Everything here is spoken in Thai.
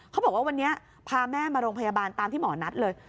เขาบอกว่าวันนี้พาแม่มาโรงพยาบาลตามที่หมอนัดเลย